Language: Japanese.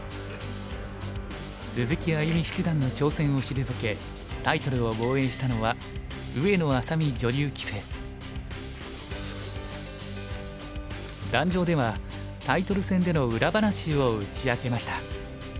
鈴木歩七段の挑戦を退けタイトルを防衛したのは壇上ではタイトル戦での裏話を打ち明けました。